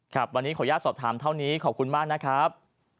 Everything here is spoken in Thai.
วันนี้ขออนุญาตสอบถามเท่านี้ขอบคุณมากนะครับ